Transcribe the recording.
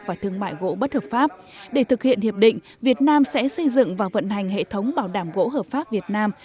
và thương mại gỗ bất hợp pháp để thực hiện hiệp định việt nam sẽ xây dựng và vận hành hệ thống bảo đảm gỗ hợp pháp việt nam